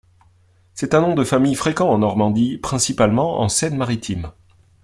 C'est un nom de famille fréquent en Normandie, principalement en Seine-Maritime.